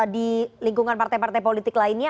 di lingkungan partai partai politik lainnya